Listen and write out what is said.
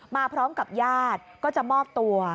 มาพร้อมกับญาติก็จะมอบตัว